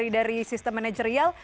dari sistem manajerial